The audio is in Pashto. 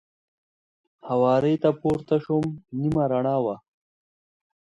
هوارې ته ور پورته شوم، نیمه رڼا وه.